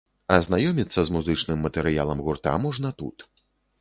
Азнаёміцца з музычным матэрыялам гурта можна тут.